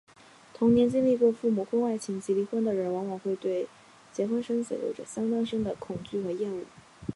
童年经历过父母婚外情及离婚的人往往会对结婚生子有着相当深的恐惧和厌恶。